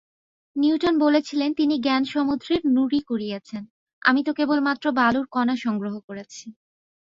Newton বলেছিলেন তিনি জ্ঞানসমুদ্রের নুড়ি কুড়িয়েছেন, আমি তো কেবলমাত্র বালুর কণা সংগ্রহ করেছি।